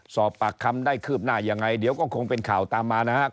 สอบปากคำได้คืบหน้ายังไงเดี๋ยวก็คงเป็นข่าวตามมานะครับ